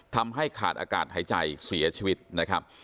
ทำให้ขาดอากาศหายใจเสียชีวิตนะครับ